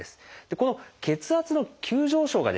この血圧の急上昇がですね